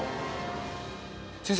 先生